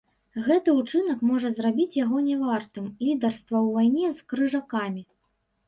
Гэты ўчынак можа зрабіць яго нявартым лідарства ў вайне з крыжакамі.